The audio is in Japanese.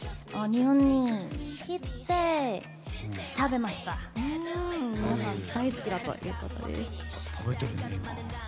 日本が大好きだということです。